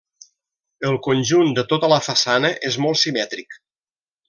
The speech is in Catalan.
El conjunt de tota la façana és molt simètric.